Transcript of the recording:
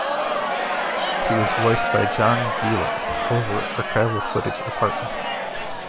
He was voiced by John Guilor, over archival footage of Hartnell.